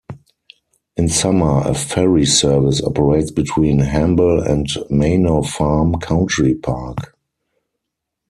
In summer a ferry service operates between Hamble and Manor Farm Country Park.